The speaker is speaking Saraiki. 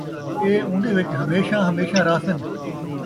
ایہ اُون٘دے وِچ ہمشیہ ہمشیہ رہسن